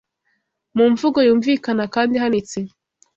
Mu mvugo yumvikana kandi ihanitse